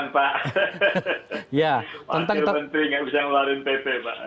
wakil menteri nggak bisa ngeluarin pp pak